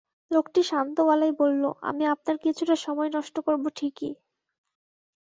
লোকটি শান্ত গলায় বলল, আমি আপনার কিছুটা সময় নষ্ট করব ঠিকই।